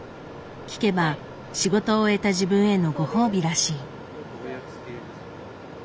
聞けば仕事を終えた自分へのご褒美らしい。